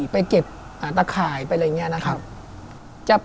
ไปเก็บตะข่ายไปอะไรอย่างนี้นะครับ